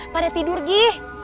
pada tidur gi